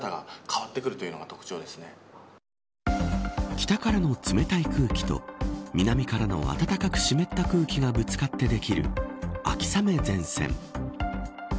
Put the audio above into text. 北からの冷たい空気と南からの暖かく湿った空気がぶつかってできる秋雨前線。